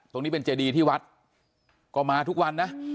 ตรงนี้เป็นเจดีที่วัดก็มาทุกวันนะ